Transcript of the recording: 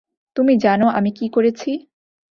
তুমি জানো আমি কি করেছি?